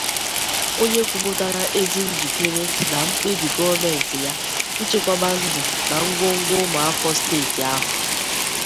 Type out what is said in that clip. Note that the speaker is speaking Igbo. onye kwupụtara ezi njikere na mkpebi gọọmenti ya ichekwaba ndụ na ngwongwo ụmụafọ steeti ahụ